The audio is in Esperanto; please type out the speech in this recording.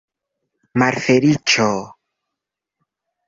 Malfeliĉo!